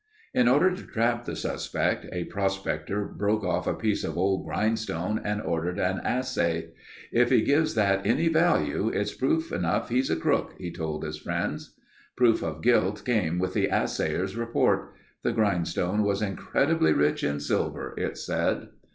In order to trap the suspect, a prospector broke off a piece of old grindstone and ordered an assay. "If he gives that any value, it's proof enough he's a crook," he told his friends. Proof of guilt came with the assayer's report. The grindstone was incredibly rich in silver, it said.